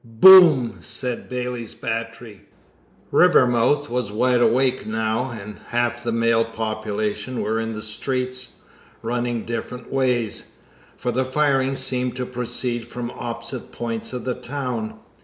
"BOOM!" said Bailey's Battery. Rivermouth was wide awake now, and half the male population were in the streets, running different ways, for the firing seemed to proceed from opposite points of the town.